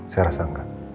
saya rasa enggak